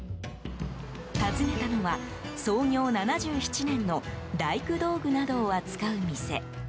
訪ねたのは、創業７７年の大工道具などを扱う店。